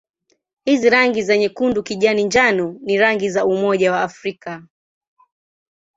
Hizi rangi za nyekundu-kijani-njano ni rangi za Umoja wa Afrika.